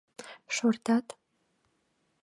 — Шортат?